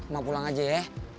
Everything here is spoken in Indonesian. mak pulang aja ya